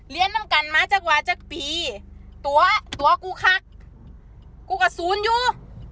เรียนน้ำกันมาจากว่าจากปีตั๋วตั๋วกูคักกูกับศูนย์อยู่